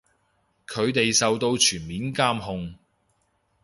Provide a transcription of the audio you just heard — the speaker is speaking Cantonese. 佢哋受到全面監控